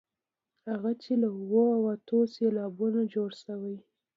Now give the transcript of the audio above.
هغه چې له اوو او اتو سېلابونو جوړې شوې.